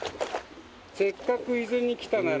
「せっかく伊豆に来たなら」